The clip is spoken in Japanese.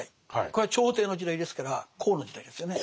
これは朝廷の時代ですから公の時代ですよね。